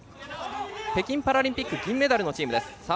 北京パラリンピック銀メダルのチームです。